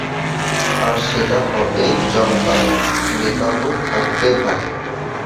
আর সেটা হবে জমকালো, মেকআপও থাকবে ভারী।